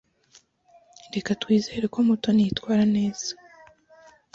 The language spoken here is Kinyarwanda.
Reka twizere ko Mutoni yitwara neza.